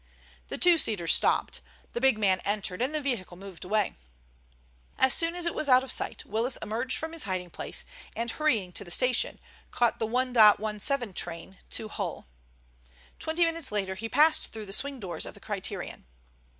The two seater stopped, the big man entered, and the vehicle moved away. As soon as it was out of sight, Willis emerged from his hiding place, and hurrying to the station, caught the 1.17 train to Hull. Twenty minutes later he passed through the swing doors of the Criterion.